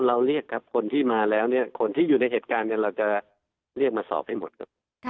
เราเรียกครับคนที่มาแล้วเนี่ยคนที่อยู่ในเหตุการณ์เราจะเรียกมาสอบให้หมดครับ